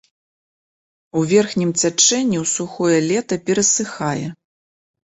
У верхнім цячэнні ў сухое лета перасыхае.